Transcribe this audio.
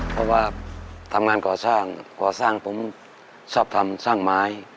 เพราะว่าทำงานก่อสร้างก่อสร้างผมชอบทำสร้างไม้